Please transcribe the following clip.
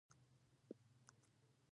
افغانستان د چرګان په اړه علمي څېړنې لري.